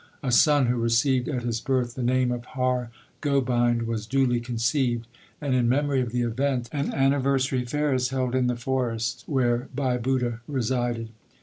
A son who received at his birth the name of Har Gobind was duly conceived ; and in memory of the event an anniversary fair is held in the forest where Bhai Budha resided.